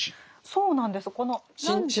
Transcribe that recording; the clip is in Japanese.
そうなんです。